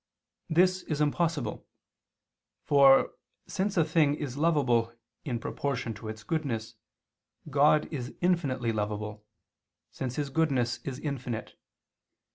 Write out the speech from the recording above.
This is impossible: for, since a thing is lovable in proportion to its goodness, God is infinitely lovable, since His goodness is infinite.